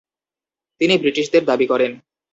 তিনি ব্রিটিশদের দাবি করেন।